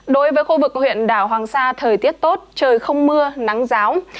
đối với khu vực huyện đảo hoàng sa thời tiết tốt trời không mưa nắng giáo